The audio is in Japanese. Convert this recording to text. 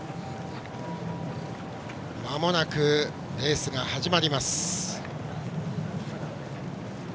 まもなくレースが始まります。